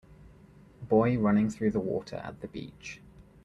Boy running through the water at the beach